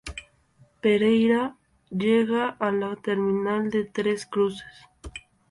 Pereyra llega a la terminal de Tres Cruces.